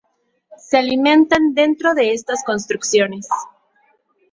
Se alimentan dentro de estas construcciones.